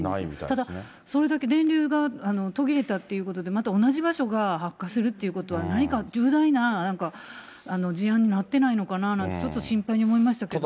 ただ、それだけ電流が途切れたということで、また同じ場所が発火するということは、何か重大な、何か事案になってないのかなって、ちょっと心配に思いましたけども。